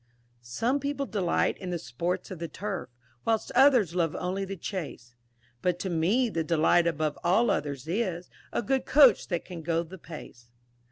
"_ Some people delight in the sports of the turf Whilst others love only the chace, But to me, the delight above all others is A good Coach that can go the pace.